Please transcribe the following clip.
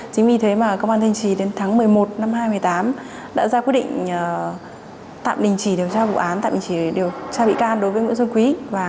chính vì thế mà công an thanh trì đến tháng một mươi một năm hai nghìn một mươi tám đã ra quyết định tạm đình chỉ điều tra vụ án tạm đình chỉ để điều tra bị can đối với nguyễn duy quý